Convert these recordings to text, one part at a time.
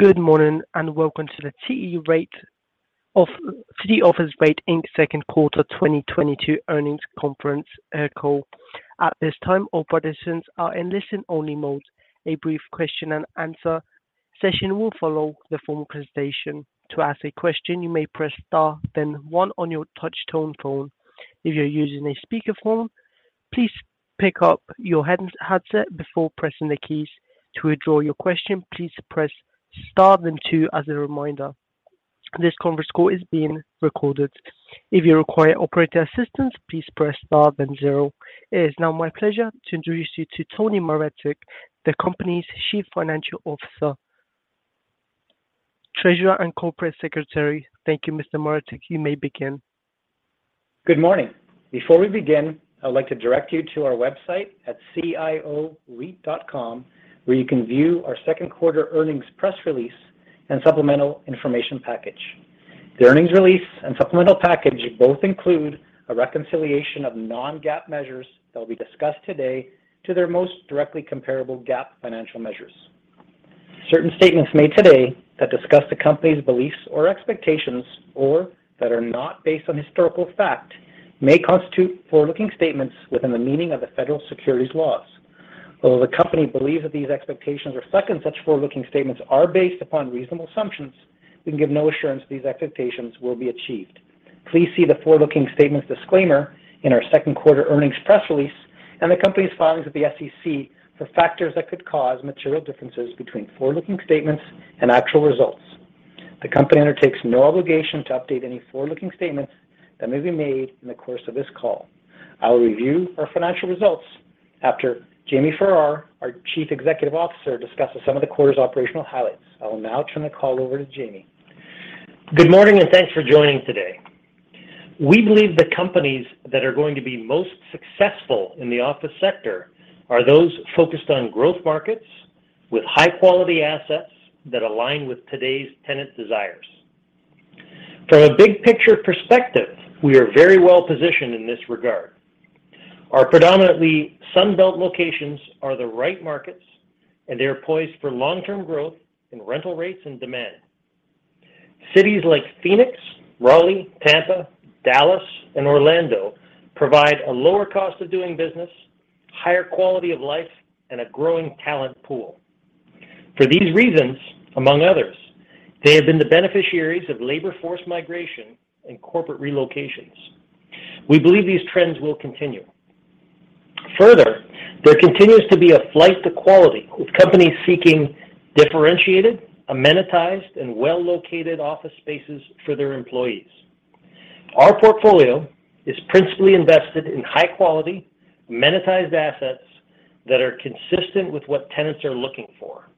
Good morning, and welcome to the City Office REIT, Inc. Q2 2022 earnings conference call. At this time, all participants are in listen-only mode. A brief question and answer session will follow the formal presentation. To ask a question, you may press star then one on your touch-tone phone. If you're using a speakerphone, please pick up your handset before pressing the keys. To withdraw your question, please press star then two as a reminder. This conference call is being recorded. If you require operator assistance, please press star then zero. It is now my pleasure to introduce you to Anthony Maretic, the company's Chief Financial Officer, Treasurer, and Corporate Secretary. Thank you, Mr. Maretic. You may begin. Good morning. Before we begin, I'd like to direct you to our website at cioreit.com, where you can view our Q2 earnings press release and supplemental information package. The earnings release and supplemental package both include a reconciliation of non-GAAP measures that will be discussed today to their most directly comparable GAAP financial measures. Certain statements made today that discuss the company's beliefs or expectations or that are not based on historical fact may constitute forward-looking statements within the meaning of the federal securities laws. Although the company believes that these expectations reflected in such forward-looking statements are based upon reasonable assumptions, we can give no assurance these expectations will be achieved. Please see the forward-looking statements disclaimer in our Q2 earnings press release and the company's filings with the SEC for factors that could cause material differences between forward-looking statements and actual results. The company undertakes no obligation to update any forward-looking statements that may be made in the course of this call. I will review our financial results after James Farrar, our Chief Executive Officer, discusses some of the quarter's operational highlights. I will now turn the call over to Jamie. Good morning, and thanks for joining today. We believe the companies that are going to be most successful in the office sector are those focused on growth markets with high-quality assets that align with today's tenant desires. From a big picture perspective, we are very well-positioned in this regard. Our predominantly Sun Belt locations are the right markets, and they are poised for long-term growth in rental rates and demand. Cities like Phoenix, Raleigh, Tampa, Dallas, and Orlando provide a lower cost of doing business, higher quality of life, and a growing talent pool. For these reasons, among others, they have been the beneficiaries of labor force migration and corporate relocations. We believe these trends will continue. Further, there continues to be a flight to quality, with companies seeking differentiated, amenitized, and well-located office spaces for their employees. Our portfolio is principally invested in high-quality, amenitized assets that are consistent with what tenants are looking for.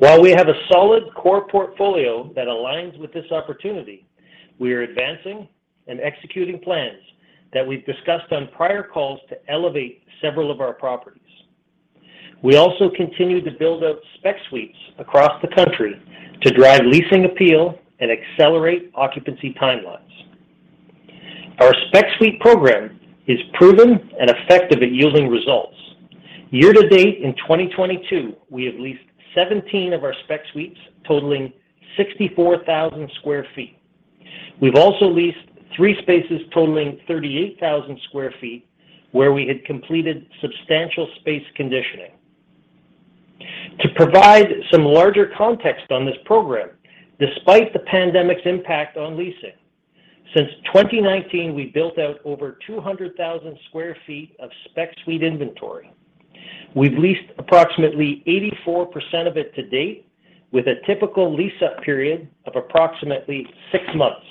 While we have a solid core portfolio that aligns with this opportunity, we are advancing and executing plans that we've discussed on prior calls to elevate several of our properties. We also continue to build out spec suites across the country to drive leasing appeal and accelerate occupancy timelines. Our spec suite program is proven and effective at yielding results. Year to date in 2022, we have leased 17 of our spec suites totaling 64,000 sq ft. We've also leased three spaces totaling 38,000 sq ft where we had completed substantial space conditioning. To provide some larger context on this program, despite the pandemic's impact on leasing, since 2019, we built out over 200,000 sq ft of spec suite inventory. We've leased approximately 84% of it to date, with a typical lease-up period of approximately six months.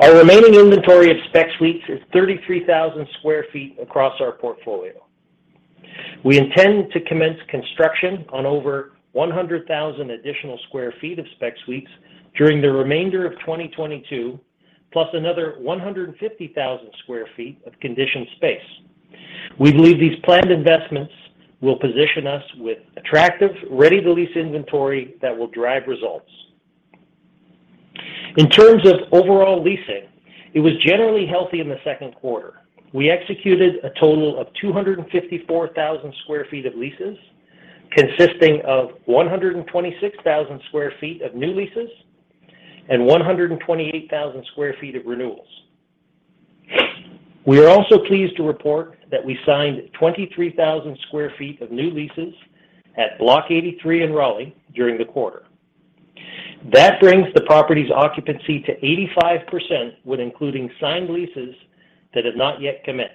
Our remaining inventory of spec suites is 33,000 sq ft across our portfolio. We intend to commence construction on over 100,000 additional sq ft of spec suites during the remainder of 2022, plus another 150,000 sq ft of conditioned space. We believe these planned investments will position us with attractive, ready-to-lease inventory that will drive results. In terms of overall leasing, it was generally healthy in the Q2. We executed a total of 254,000 sq ft of leases, consisting of 126,000 sq ft of new leases and 128,000 sq ft of renewals. We are also pleased to report that we signed 23,000 sq ft of new leases at Block 83 in Raleigh during the quarter. That brings the property's occupancy to 85% when including signed leases that have not yet commenced.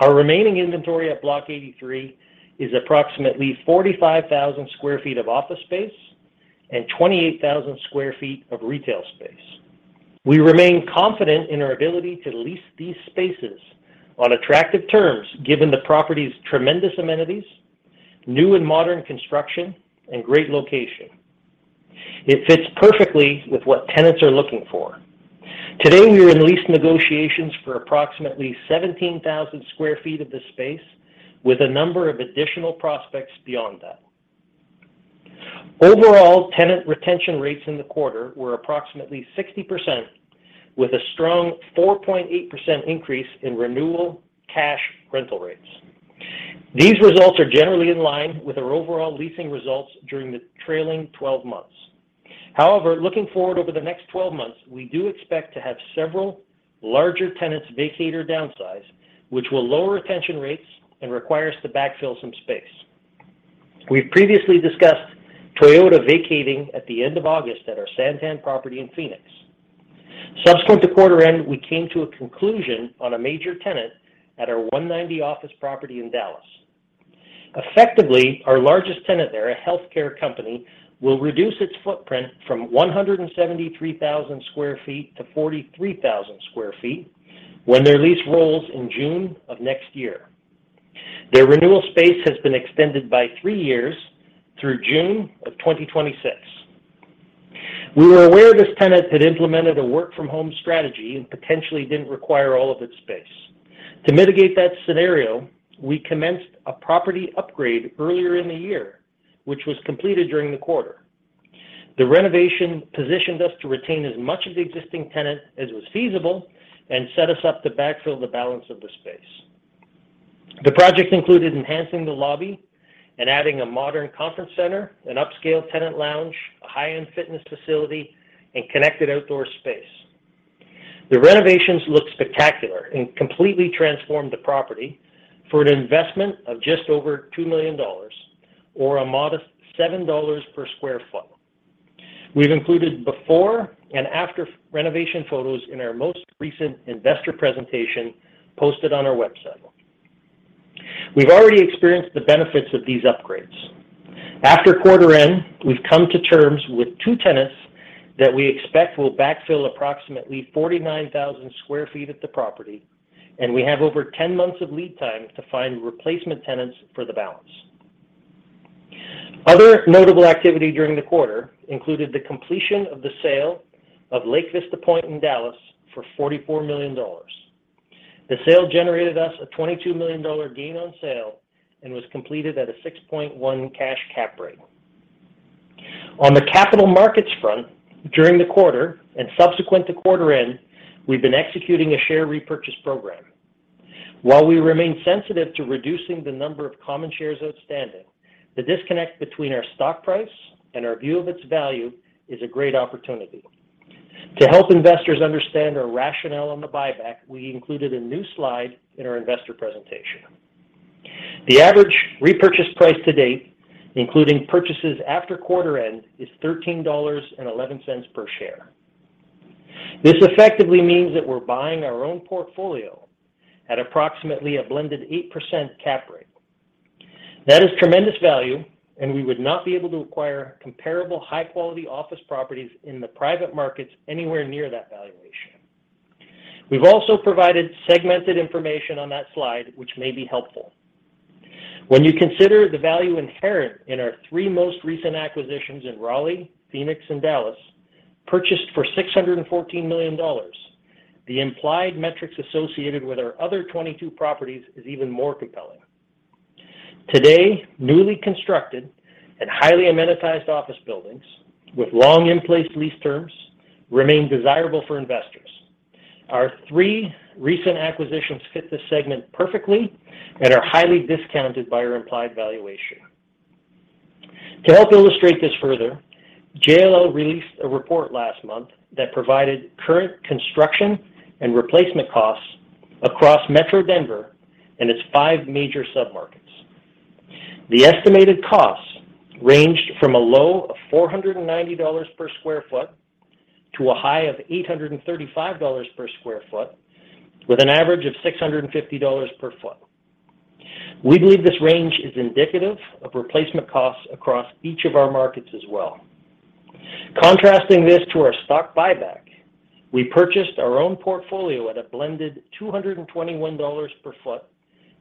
Our remaining inventory at Block 83 is approximately 45,000 sq ft of office space and 28,000 sq ft of retail space. We remain confident in our ability to lease these spaces on attractive terms, given the property's tremendous amenities, new and modern construction, and great location. It fits perfectly with what tenants are looking for. Today, we are in lease negotiations for approximately 17,000 sq ft of this space, with a number of additional prospects beyond that. Overall, tenant retention rates in the quarter were approximately 60% with a strong 4.8% increase in renewal cash rental rates. These results are generally in line with our overall leasing results during the trailing 12 months. However, looking forward over the next 12 months, we do expect to have several larger tenants vacate or downsize, which will lower retention rates and require us to backfill some space. We've previously discussed Toyota vacating at the end of August at our SanTan property in Phoenix. Subsequent to quarter end, we came to a conclusion on a major tenant at our 190 office property in Dallas. Effectively, our largest tenant there, a healthcare company, will reduce its footprint from 173,000 sq ft to 43,000 sq ft when their lease rolls in June of next year. Their renewal space has been extended by three years through June of 2026. We were aware this tenant had implemented a work from home strategy and potentially didn't require all of its space. To mitigate that scenario, we commenced a property upgrade earlier in the year, which was completed during the quarter. The renovation positioned us to retain as much of the existing tenant as was feasible and set us up to backfill the balance of the space. The project included enhancing the lobby and adding a modern conference center, an upscale tenant lounge, a high-end fitness facility, and connected outdoor space. The renovations look spectacular and completely transformed the property for an investment of just over $2 million or a modest $7 per sq ft. We've included before and after renovation photos in our most recent investor presentation posted on our website. We've already experienced the benefits of these upgrades. After quarter end, we've come to terms with two tenants that we expect will backfill approximately 49,000 sq ft at the property, and we have over 10 months of lead time to find replacement tenants for the balance. Other notable activity during the quarter included the completion of the sale of Lake Vista Point in Dallas for $44 million. The sale generated us a $22 million gain on sale and was completed at a 6.1% cash cap rate. On the capital markets front, during the quarter and subsequent to quarter end, we've been executing a share repurchase program. While we remain sensitive to reducing the number of common shares outstanding, the disconnect between our stock price and our view of its value is a great opportunity. To help investors understand our rationale on the buyback, we included a new slide in our investor presentation. The average repurchase price to date, including purchases after quarter end, is $13.11 per share. This effectively means that we're buying our own portfolio at approximately a blended 8% cap rate. That is tremendous value, and we would not be able to acquire comparable high-quality office properties in the private markets anywhere near that valuation. We've also provided segmented information on that slide which may be helpful. When you consider the value inherent in our three most recent acquisitions in Raleigh, Phoenix, and Dallas, purchased for $614 million, the implied metrics associated with our other 22 properties is even more compelling. Today, newly constructed and highly amenitized office buildings with long in place lease terms remain desirable for investors. Our three recent acquisitions fit this segment perfectly and are highly discounted by our implied valuation. To help illustrate this further, JLL released a report last month that provided current construction and replacement costs across Metro Denver and its five major submarkets. The estimated costs ranged from a low of $490 per sq ft to a high of $835 per sq ft with an average of $650 per sq ft. We believe this range is indicative of replacement costs across each of our markets as well. Contrasting this to our stock buyback, we purchased our own portfolio at a blended $221 per sq ft,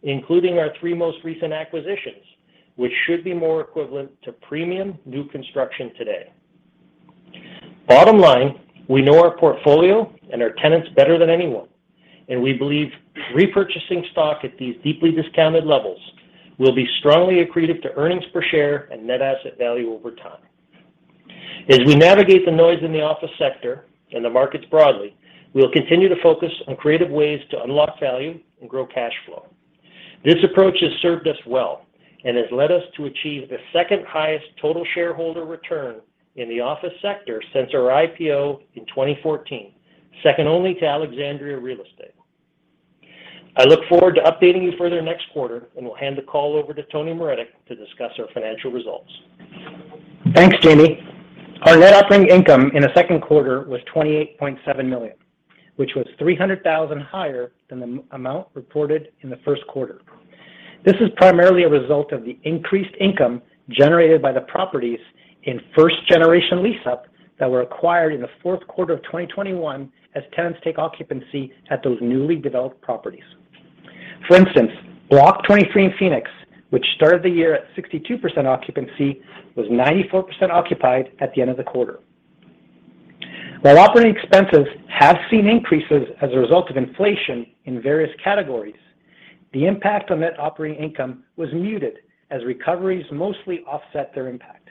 including our three most recent acquisitions, which should be more equivalent to premium new construction today. Bottom line, we know our portfolio and our tenants better than anyone, and we believe repurchasing stock at these deeply discounted levels will be strongly accretive to earnings per share and net asset value over time. As we navigate the noise in the office sector and the markets broadly, we will continue to focus on creative ways to unlock value and grow cash flow. This approach has served us well and has led us to achieve the second highest total shareholder return in the office sector since our IPO in 2014, second only to Alexandria Real Estate. I look forward to updating you further next quarter, and will hand the call over to Tony Maretic to discuss our financial results. Thanks, Jamie. Our net operating income in the Q2 was $28.7 million, which was $300,000 higher than the amount reported in the Q1. This is primarily a result of the increased income generated by the properties in first generation lease-up that were acquired in the Q4 of 2021 as tenants take occupancy at those newly developed properties. For instance, Block 23 in Phoenix, which started the year at 62% occupancy, was 94% occupied at the end of the quarter. While operating expenses have seen increases as a result of inflation in various categories, the impact on net operating income was muted as recoveries mostly offset their impact.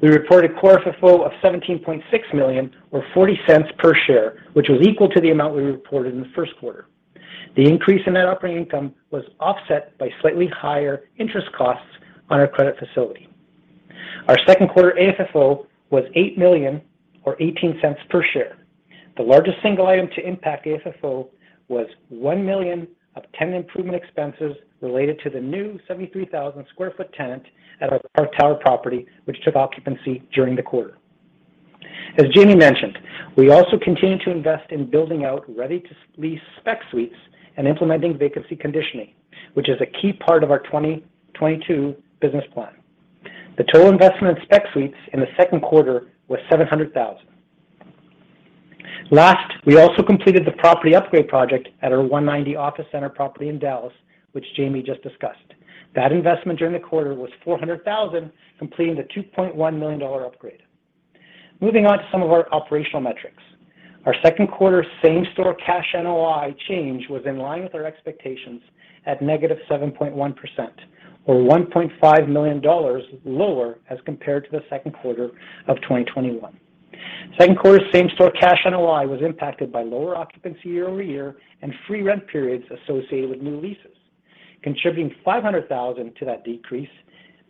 We reported core FFO of $17.6 million or $0.40 per share, which was equal to the amount we reported in the Q1. The increase in net operating income was offset by slightly higher interest costs on our credit facility. Our Q2 AFFO was $8 million or $0.18 per share. The largest single item to impact AFFO was $1 million of tenant improvement expenses related to the new 73,000 sq ft tenant at our Park Tower property, which took occupancy during the quarter. As Jamie mentioned, we also continued to invest in building out ready to lease spec suites and implementing vacancy conditioning, which is a key part of our 2022 business plan. The total investment in spec suites in the Q2 was $700,000. Last, we also completed the property upgrade project at our 190 Office Center property in Dallas, which Jamie just discussed. That investment during the quarter was $400,000, completing the $2.1 million upgrade. Moving on to some of our operational metrics. Our Q2 Same-Store Cash NOI change was in line with our expectations at -7.1% or $1.5 million lower as compared to the Q2 of 2021. Q2 Same-Store Cash NOI was impacted by lower occupancy year-over-year and free rent periods associated with new leases. Contributing $500,000 to that decrease,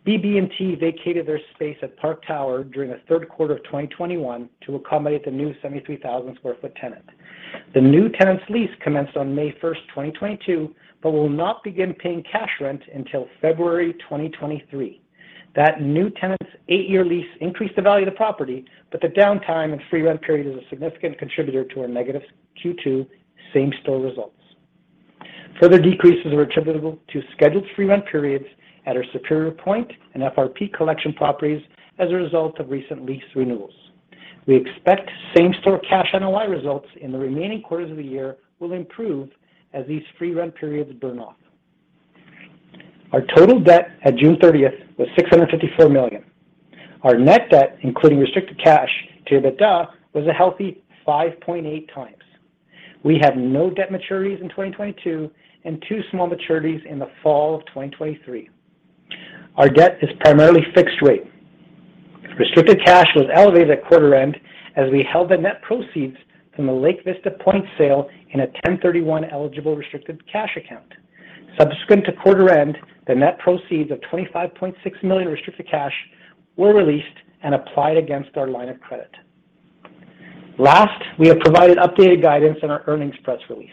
BB&T vacated their space at Park Tower during the Q3 of 2021 to accommodate the new 73,000 sq ft tenant. The new tenant's lease commenced on May 1, 2022, but will not begin paying cash rent until February 2023. That new tenant's 8-year lease increased the value of the property, but the downtime and free rent period is a significant contributor to our negative Q2 Same-Store results. Further decreases were attributable to scheduled free rent periods at our Superior Point and FRP Collection properties as a result of recent lease renewals. We expect Same-Store Cash NOI results in the remaining quarters of the year will improve as these free rent periods burn off. Our total debt at June 30 was $654 million. Our net debt, including restricted cash to EBITDA, was a healthy 5.8 times. We have no debt maturities in 2022 and two small maturities in the fall of 2023. Our debt is primarily fixed rate. Restricted cash was elevated at quarter end as we held the net proceeds from the Lake Vista Pointe sale in a 1031-eligible restricted cash account. Subsequent to quarter end, the net proceeds of $25.6 million restricted cash were released and applied against our line of credit. Last, we have provided updated guidance in our earnings press release.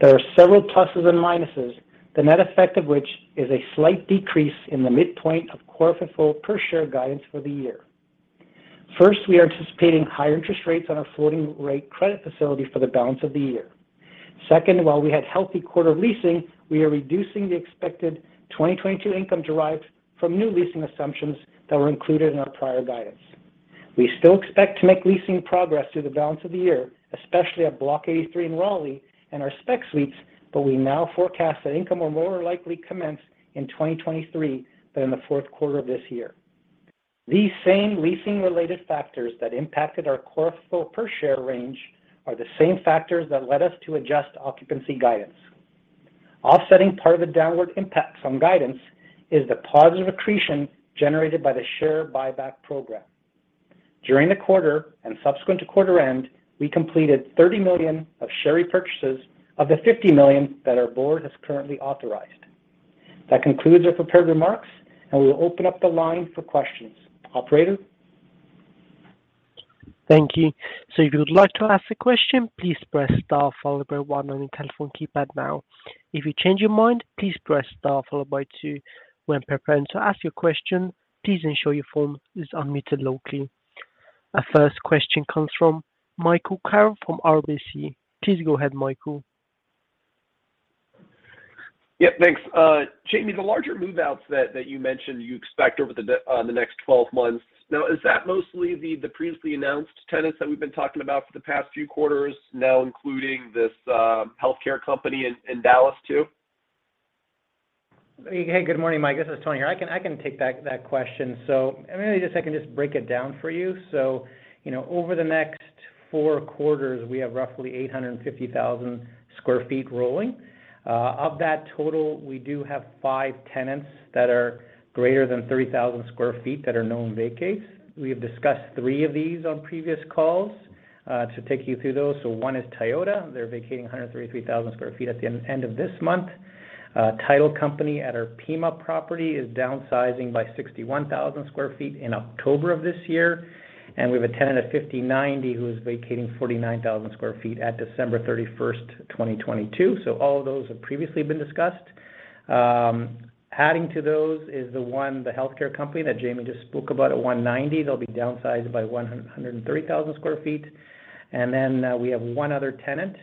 There are several pluses and minuses, the net effect of which is a slight decrease in the midpoint of Core FFO per share guidance for the year. First, we are anticipating higher interest rates on our floating rate credit facility for the balance of the year. Second, while we had healthy quarter leasing, we are reducing the expected 2022 income derived from new leasing assumptions that were included in our prior guidance. We still expect to make leasing progress through the balance of the year, especially at Block 83 in Raleigh and our spec suites, but we now forecast that income will more likely commence in 2023 than in the Q4 of this year. These same leasing related factors that impacted our Core FFO per share range are the same factors that led us to adjust occupancy guidance. Offsetting part of the downward impact from guidance is the positive accretion generated by the share buyback program. During the quarter and subsequent to quarter end, we completed $30 million of share repurchases of the $50 million that our board has currently authorized. That concludes our prepared remarks, and we'll open up the line for questions. Operator? Thank you. If you would like to ask a question, please press star followed by one on your telephone keypad now. If you change your mind, please press star followed by two. When preparing to ask your question, please ensure your phone is unmuted locally. Our first question comes from Michael Carroll from RBC. Please go ahead, Michael. Yeah, thanks. James, the larger move outs that you mentioned you expect over the next 12 months. Now, is that mostly the previously announced tenants that we've been talking about for the past few quarters now including this healthcare company in Dallas too? Hey, good morning, Mike. This is Tony. I can take that question. Let me break it down for you. You know, over the next four quarters, we have roughly 850,000 sq ft rolling. Of that total, we do have five tenants that are greater than 30,000 sq ft that are known vacates. We have discussed three of these on previous calls, to take you through those. One is Toyota. They're vacating 133,000 sq ft at the end of this month. A title company at our Pima property is downsizing by 61,000 sq ft in October of this year. We have a tenant at 50/90 who is vacating 49,000 sq ft at December 31, 2022. All of those have previously been discussed. Adding to those is the one, the healthcare company that Jamie just spoke about at 190. They'll be downsized by 103,000 sq ft. We have one other tenant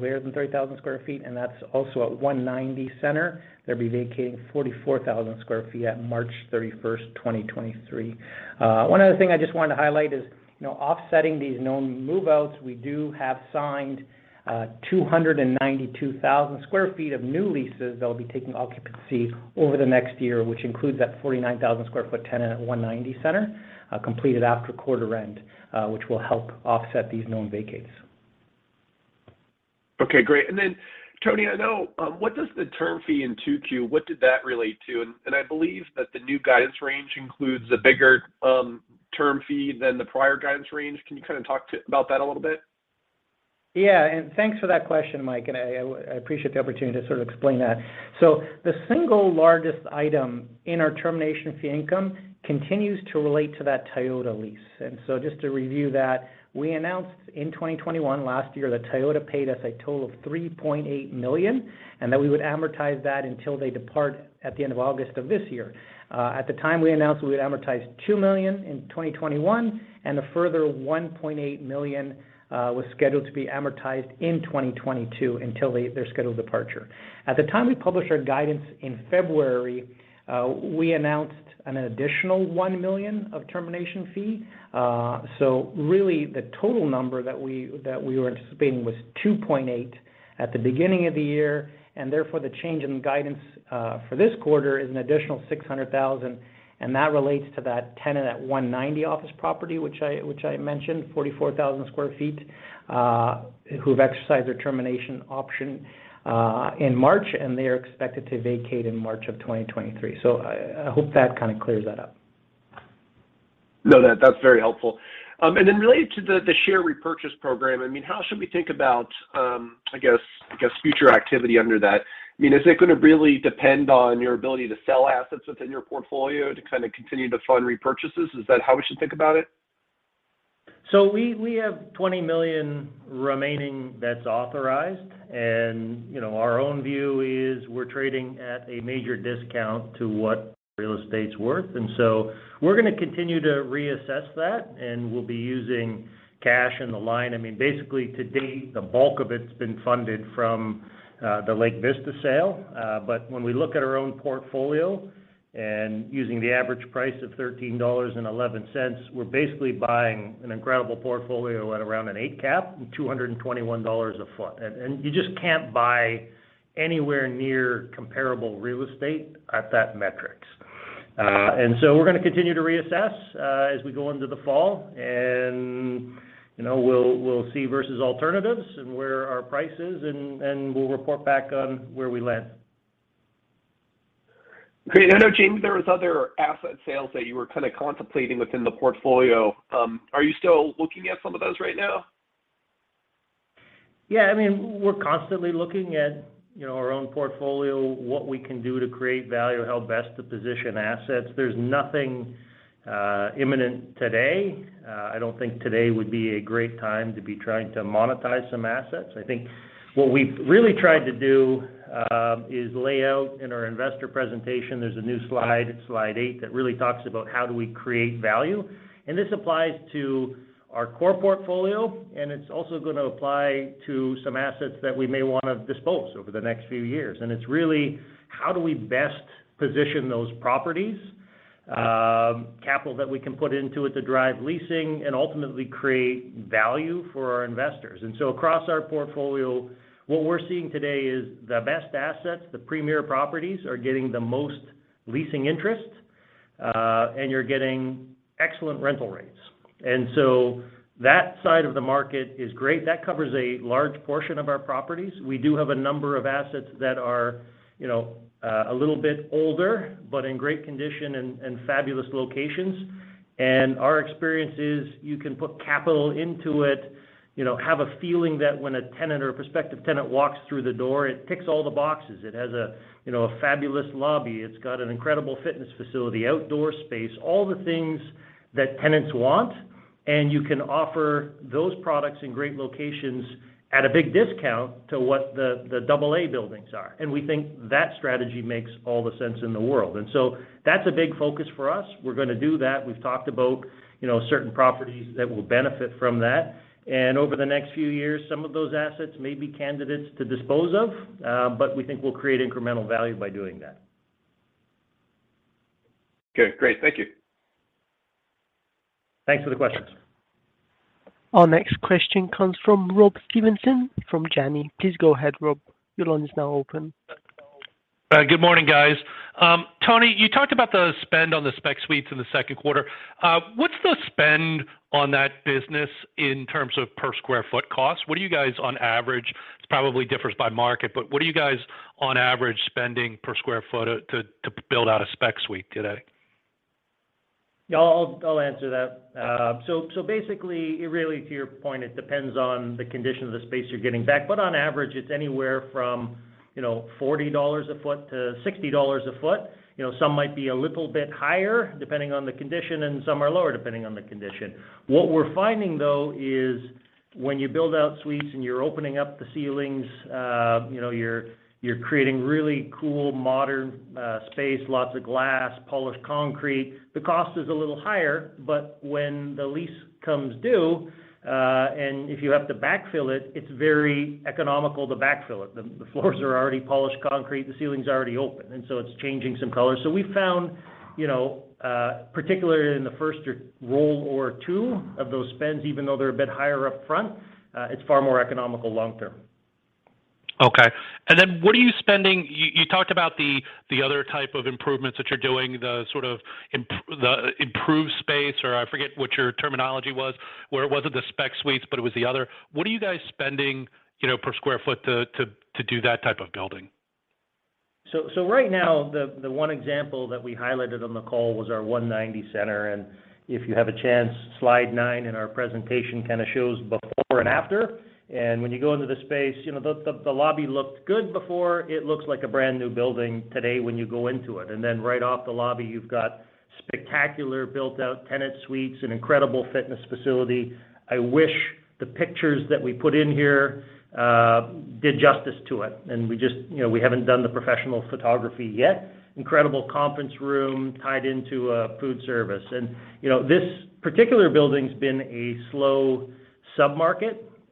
greater than 30,000 sq ft, and that's also at 190 Center. They'll be vacating 44,000 sq ft at March 31, 2023. One other thing I just wanted to highlight is, you know, offsetting these known move outs, we do have signed 292,000 sq ft of new leases that will be taking occupancy over the next year, which includes that 49,000 sq ft tenant at 190 Center, completed after quarter end, which will help offset these known vacates. Okay, great. Tony, I know what does the term fee in 2Q what did that relate to? I believe that the new guidance range includes a bigger term fee than the prior guidance range. Can you kind of talk about that a little bit? Yeah. Thanks for that question, Mike. I appreciate the opportunity to sort of explain that. The single largest item in our termination fee income continues to relate to that Toyota lease. Just to review that, we announced in 2021 last year that Toyota paid us a total of $3.8 million, and that we would amortize that until they depart at the end of August of this year. At the time, we announced we would amortize $2 million in 2021, and a further $1.8 million was scheduled to be amortized in 2022 until their scheduled departure. At the time we published our guidance in February, we announced an additional $1 million of termination fee. Really the total number that we were anticipating was $2.8 at the beginning of the year, and therefore the change in guidance for this quarter is an additional $600,000, and that relates to that tenant at 190 office property, which I mentioned, 44,000 sq ft, who have exercised their termination option in March, and they are expected to vacate in March of 2023. I hope that kind of clears that up. No, that's very helpful. Related to the share repurchase program, I mean, how should we think about, I guess, future activity under that? I mean, is it gonna really depend on your ability to sell assets within your portfolio to kind of continue to fund repurchases? Is that how we should think about it? We have $20 million remaining that's authorized, and you know, our own view is we're trading at a major discount to what real estate's worth. We're gonna continue to reassess that, and we'll be using cash in the line. I mean, basically to date, the bulk of it's been funded from the Lake Vista Pointe sale. But when we look at our own portfolio and using the average price of $13.11, we're basically buying an incredible portfolio at around an 8 cap, $221 a foot. And you just can't buy anywhere near comparable real estate at that metrics. We're gonna continue to reassess as we go into the fall and, you know, we'll see versus alternatives and where our price is and we'll report back on where we land. Great. I know, James, there was other asset sales that you were kind of contemplating within the portfolio. Are you still looking at some of those right now? Yeah, I mean, we're constantly looking at, you know, our own portfolio, what we can do to create value, how best to position assets. There's nothing imminent today. I don't think today would be a great time to be trying to monetize some assets. I think what we've really tried to do is lay out in our investor presentation, there's a new slide eight, that really talks about how do we create value. This applies to our core portfolio, and it's also gonna apply to some assets that we may wanna dispose over the next few years. It's really how do we best position those properties, capital that we can put into it to drive leasing and ultimately create value for our investors. Across our portfolio, what we're seeing today is the best assets, the premier properties are getting the most leasing interest, and you're getting excellent rental rates. That side of the market is great. That covers a large portion of our properties. We do have a number of assets that are, you know, a little bit older, but in great condition and fabulous locations. Our experience is you can put capital into it, you know, have a feeling that when a tenant or a prospective tenant walks through the door, it ticks all the boxes. It has a, you know, fabulous lobby. It's got an incredible fitness facility, outdoor space, all the things that tenants want, and you can offer those products in great locations at a big discount to what the Class AA buildings are. We think that strategy makes all the sense in the world. That's a big focus for us. We're gonna do that. We've talked about, you know, certain properties that will benefit from that. Over the next few years, some of those assets may be candidates to dispose of, but we think we'll create incremental value by doing that. Okay. Great. Thank you. Thanks for the questions. Our next question comes from Rob Stevenson from Janney. Please go ahead, Rob. Your line is now open. Good morning, guys. Tony, you talked about the spend on the spec suites in the Q2. What's the spend on that business in terms of per square foot cost? What are you guys on average? It probably differs by market, but what are you guys on average spending per square foot to build out a spec suite today? Yeah. I'll answer that. Basically, really to your point, it depends on the condition of the space you're getting back. On average, it's anywhere from, you know, $40-$60/sq ft. You know, some might be a little bit higher depending on the condition, and some are lower depending on the condition. What we're finding, though, is when you build out suites and you're opening up the ceilings, you know, you're creating really cool, modern space, lots of glass, polished concrete, the cost is a little higher. When the lease comes due, and if you have to backfill it's very economical to backfill it. The floors are already polished concrete, the ceiling's already open, and so it's changing some color. We found, you know, particularly in the first roll or two of those spends, even though they're a bit higher up front, it's far more economical long term. Okay. What are you spending? You talked about the other type of improvements that you're doing, the sort of improved space, or I forget what your terminology was, where it wasn't the spec suites, but it was the other. What are you guys spending, you know, per square foot to do that type of building? Right now, the one example that we highlighted on the call was our 190 Center. If you have a chance, slide 9 in our presentation kinda shows before and after. When you go into the space, you know, the lobby looked good before. It looks like a brand-new building today when you go into it. Then right off the lobby, you've got spectacular built-out tenant suites and incredible fitness facility. I wish the pictures that we put in here did justice to it. We just, you know, we haven't done the professional photography yet. Incredible conference room tied into a food service. You know, this particular building's been a slow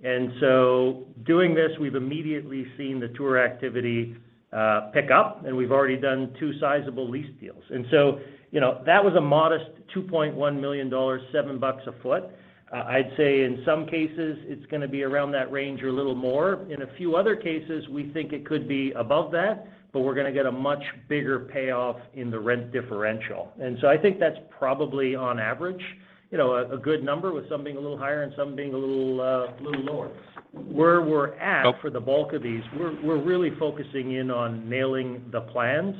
sub-market. Doing this, we've immediately seen the tour activity pick up, and we've already done 2 sizable lease deals. You know, that was a modest $2.1 million, $7 a foot. I'd say in some cases, it's gonna be around that range or a little more. In a few other cases, we think it could be above that, but we're gonna get a much bigger payoff in the rent differential. I think that's probably on average, you know, a good number with some being a little higher and some being a little lower. Where we're at. Okay For the bulk of these, we're really focusing in on nailing the plans,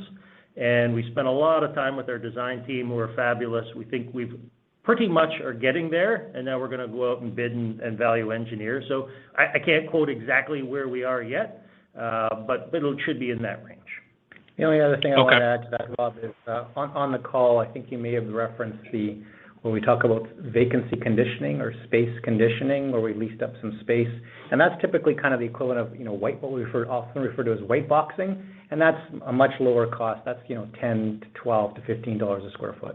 and we spent a lot of time with our design team, who are fabulous. We think we've pretty much are getting there, and now we're gonna go out and bid and value engineer. I can't quote exactly where we are yet, but it'll should be in that range. The only other thing. Okay I wanna add to that, Rob, is on the call, I think you may have referenced the when we talk about vacancy conditioning or space conditioning, where we leased up some space, and that's typically kind of the equivalent of, you know, what we often refer to as white boxing, and that's a much lower cost. That's, you know, $10 to $12 to $15 a sq ft.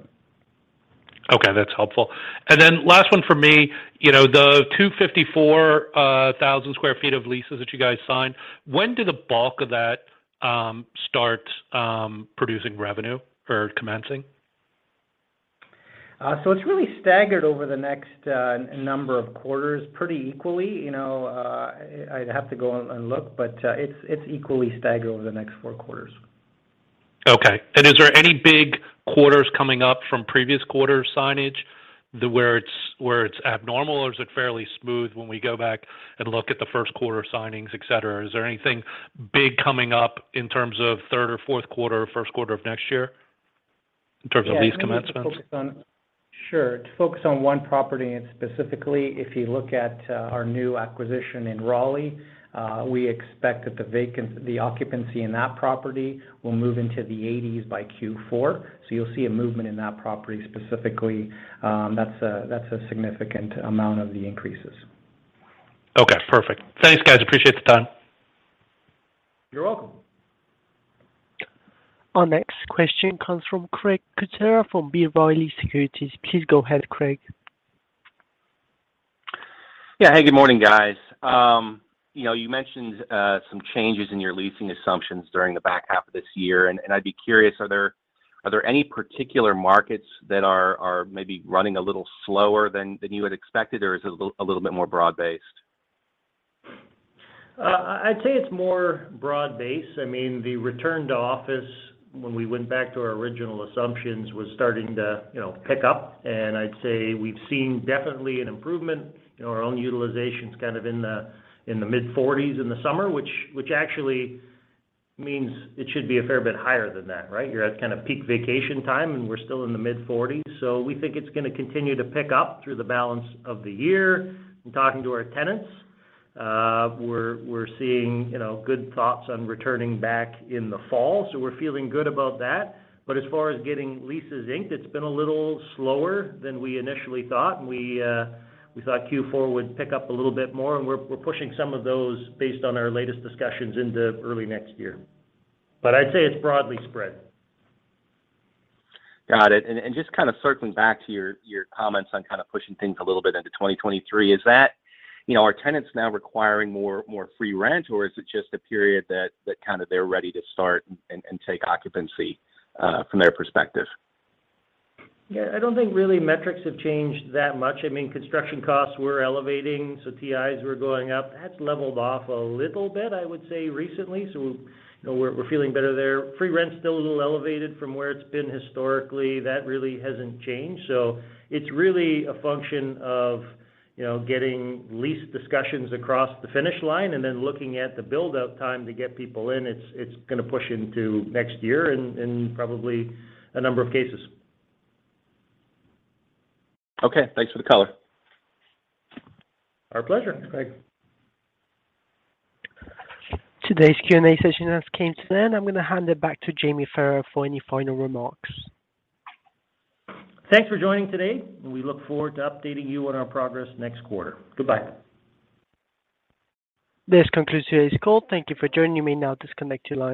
Okay, that's helpful. Then last one from me, you know, the 254,000 sq ft of leases that you guys signed, when do the bulk of that start producing revenue or commencing? It's really staggered over the next number of quarters pretty equally. You know, I'd have to go and look, but it's equally staggered over the next four quarters. Okay. Is there any big quarters coming up from previous quarter signings where it's abnormal, or is it fairly smooth when we go back and look at the Q1 signings, et cetera? Is there anything big coming up in terms of third or fourth quarter or Q1 of next year in terms of lease commencements? Yeah. I mean, we can focus on. Sure. To focus on one property, and specifically, if you look at our new acquisition in Raleigh, we expect that the occupancy in that property will move into the eighties by Q4. So you'll see a movement in that property specifically. That's a significant amount of the increases. Okay, perfect. Thanks, guys. Appreciate the time. You're welcome. Our next question comes from Craig Kucera from B. Riley Securities. Please go ahead, Craig. Yeah. Hey, good morning, guys. You know, you mentioned some changes in your leasing assumptions during the back half of this year, and I'd be curious, are there any particular markets that are maybe running a little slower than you had expected, or is it a little bit more broad-based? I'd say it's more broad-based. I mean, the return to office when we went back to our original assumptions was starting to, you know, pick up. I'd say we've seen definitely an improvement in our own utilizations kind of in the mid-40s% in the summer, which actually means it should be a fair bit higher than that, right? You're at kind of peak vacation time, and we're still in the mid-40s%. We think it's gonna continue to pick up through the balance of the year. In talking to our tenants, we're seeing, you know, good thoughts on returning back in the fall, so we're feeling good about that. As far as getting leases inked, it's been a little slower than we initially thought. We thought Q4 would pick up a little bit more, and we're pushing some of those based on our latest discussions into early next year. I'd say it's broadly spread. Got it. Just kind of circling back to your comments on kind of pushing things a little bit into 2023, is that? You know, are tenants now requiring more free rent, or is it just a period that kind of they're ready to start and take occupancy from their perspective? Yeah. I don't think really metrics have changed that much. I mean, construction costs were elevating, so TIs were going up. That's leveled off a little bit, I would say recently, so, you know, we're feeling better there. Free rent's still a little elevated from where it's been historically. That really hasn't changed. It's really a function of, you know, getting lease discussions across the finish line and then looking at the build-out time to get people in. It's gonna push into next year in probably a number of cases. Okay. Thanks for the color. Our pleasure, Craig. Today's Q&A session has come to an end. I'm gonna hand it back to James Farrar for any final remarks. Thanks for joining today, and we look forward to updating you on our progress next quarter. Goodbye. This concludes today's call. Thank you for joining. You may now disconnect your line.